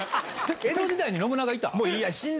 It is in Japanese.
江戸時代に信長いた？